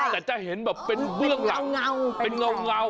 แต่จะเห็นแบบเป็นเบื้องหลังเป็นเงา